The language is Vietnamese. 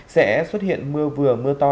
sẽ xuất hiện mưa vừa mưa to